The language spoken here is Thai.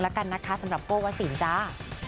แล้วกันนะคะสำหรับโก้วสินจ้า